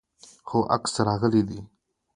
هو، عکس راغلی دی